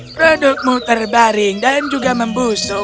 produkmu terbaring dan juga membusuk